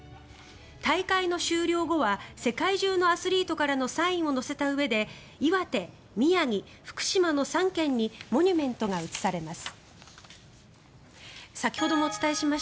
大会の終了後は世界中のアスリートからのサインを載せたうえで岩手、宮城、福島の３県にモニュメントが移されます。